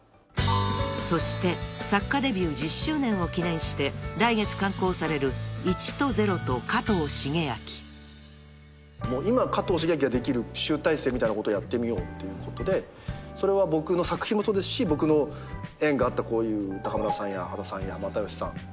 ［そして作家デビュー１０周年を記念して来月刊行される］みたいなことやってみようっていうことでそれは僕の作品もそうですし僕の縁があったこういう中村さんや羽田さんや又吉さん。